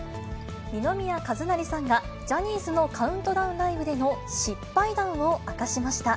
二宮和也さんがジャニーズのカウントダウンライブでの失敗談を明かしました。